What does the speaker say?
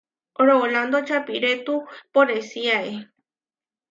Rolando čapirétu poresíae.